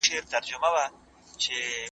علم د منظمو اصولو او قواعدو سيستم دی.